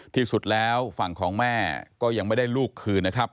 ที่สุดแล้วฝั่งของแม่ก็ยังไม่ได้ลูกคืนนะครับ